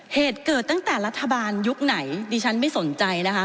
เหตุเกิดตั้งแต่รัฐบาลยุคไหนดิฉันไม่สนใจนะคะ